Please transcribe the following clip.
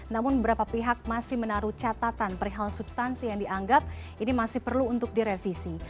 namun beberapa pihak masih menaruh catatan perihal substansi yang dianggap ini masih perlu untuk direvisi